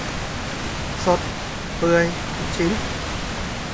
สด เปื่อย ลูกชิ้น